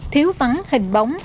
thiếu vắng hình bóng